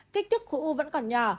kích thước khổ u vẫn còn nhỏ